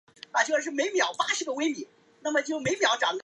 猛隼为隼科隼属的鸟类。